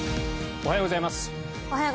おはようございます。